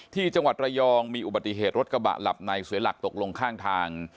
ที่จังหวัดระยองมีอุบัติเหตุรถกระบะหลับในเสียหลักตกลงข้างทาง